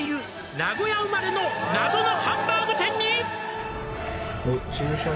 「名古屋生まれの謎のハンバーグ店に」